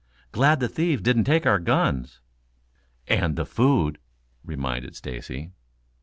"Glad the thieves didn't take our guns." "And the food," reminded Stacy.